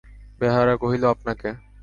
বেহারা কহিল, আপনাকে।